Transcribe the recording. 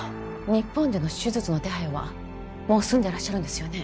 日本での手術の手配はもう済んでらっしゃるんですよね？